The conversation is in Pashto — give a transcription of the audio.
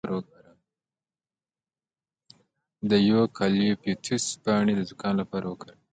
د یوکالیپټوس پاڼې د زکام لپاره وکاروئ